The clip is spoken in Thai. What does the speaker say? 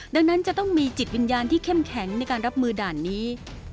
ดังนั้นจะต้องมีจิตวิญญาณที่เข้มแข็งในการรับมือด่านนี้